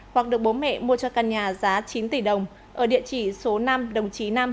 hoặc được bố mẹ mua cho căn nhà giá chín tỷ đồng ở địa chỉ số năm đồng chí năm